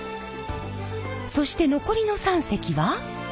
そして残りの３隻は。